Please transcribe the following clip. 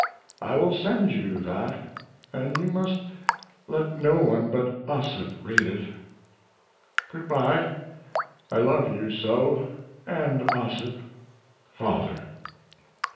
I will send you that & you must let no one but Ossip read it. Good by. I love you so! And Ossip. FATHER.